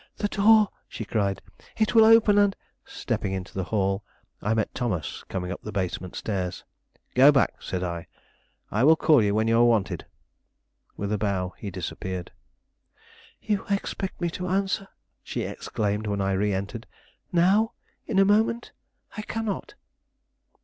"The door!" she cried; "it will open, and " Stepping into the hall, I met Thomas coming up the basement stairs. "Go back," said I; "I will call you when you are wanted." With a bow he disappeared. "You expect me to answer," she exclaimed, when I re entered, "now, in a moment? I cannot."